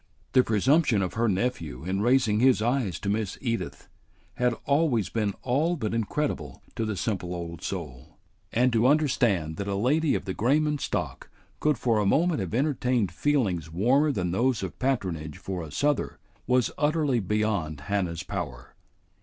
The presumption of her nephew in raising his eyes to Miss Edith had always been all but incredible to the simple old soul; and to understand that a lady of the Grayman stock could for a moment have entertained feelings warmer than those of patronage for a Souther was utterly beyond Hannah's power.